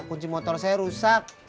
kunci motor saya rusak